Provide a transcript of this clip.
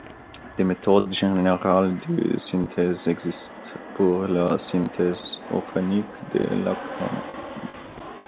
Des méthodes générales de synthèse existent pour la synthèse organique des lactames.